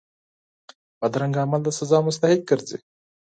بدرنګه عمل د سزا مستحق ګرځي